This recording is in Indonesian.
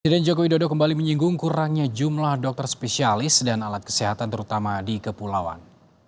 presiden joko widodo kembali menyinggung kurangnya jumlah dokter spesialis dan alat kesehatan terutama di kepulauan